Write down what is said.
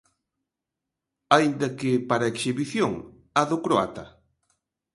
Aínda que para exhibición, a do croata.